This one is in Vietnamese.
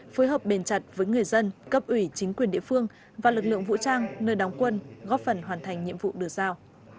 phối hợp bền chặt với người dân cấp ủy chính quyền địa phương và lực lượng vũ trang nơi đóng quân góp phần hoàn thành nhiệm vụ được giao